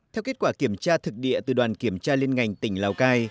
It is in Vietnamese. theo kết quả kiểm tra thực địa từ đoàn kiểm tra liên ngành tỉnh lào cai